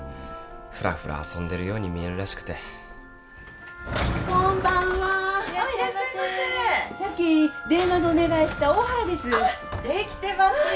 フラフラ遊んでるように見えるらしくてこんばんはいらっしゃいませさっき電話のお願いした大原ですあっできてますよ